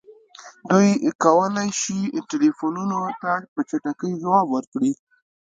دوی کولی شي ټیلیفونونو ته په چټکۍ ځواب ورکړي